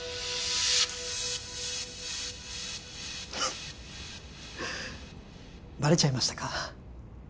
フッバレちゃいましたか